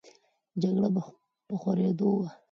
جګړه په خورېدو وه.